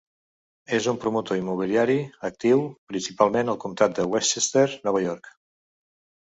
És un promotor immobiliari actiu, principalment al comtat de Westchester, Nova York.